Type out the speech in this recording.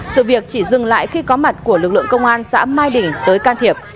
sự việc chỉ dừng lại khi có mặt của lực lượng công an xã mai đỉnh tới can thiệp